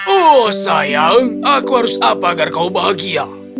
oh sayang aku harus apa agar kau bahagia